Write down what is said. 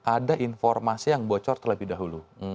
ada informasi yang bocor terlebih dahulu